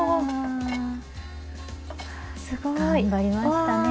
すごい！頑張りましたね。